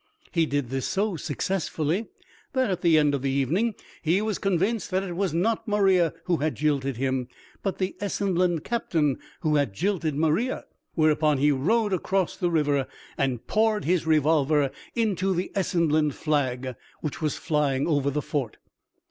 He did this so successfully that at the end of the evening he was convinced that it was not Maria who had jilted him, but the Essenland captain who had jilted Maria; whereupon he rowed across the river and poured his revolver into the Essenland flag which was flying over the fort.